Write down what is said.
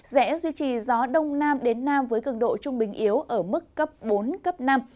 dễ duy trì gió đông nam đến nam với cường độ trung bình yếu ở mức cấp bốn cấp năm